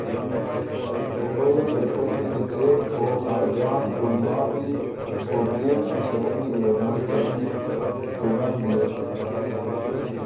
خوئ ل بهېټک لیکی څېک او خاجان، ګلماتی او بئے مِݭېرنی ګېرډ نستک ستِړمک بيې،